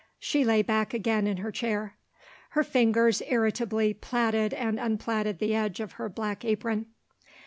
She lay back again in her chair. Her fingers irritably platted and unplatted the edge of her black apron.